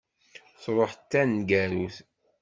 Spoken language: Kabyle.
Truḥ d taneggarut.